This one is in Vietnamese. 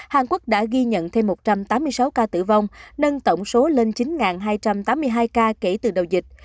hàn quốc đã ghi nhận thêm một trăm tám mươi sáu ca tử vong nâng tổng số lên chín hai trăm tám mươi hai ca kể từ đầu dịch